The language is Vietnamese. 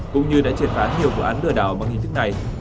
cũng như đã triệt phá nhiều vụ án lừa đảo bằng hình thức này